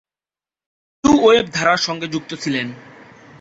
এরা new wave ধারার সঙ্গে যুক্ত ছিলেন।